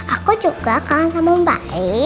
aku juga kangen sama om baik